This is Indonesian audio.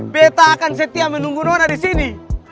beta akan setia menunggu nona disini